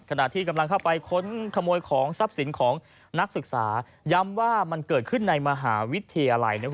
ขณะที่กำลังเข้าไปค้นขโมยของทรัพย์สินของนักศึกษาย้ำว่ามันเกิดขึ้นในมหาวิทยาลัย